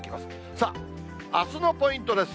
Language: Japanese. さあ、あすのポイントです。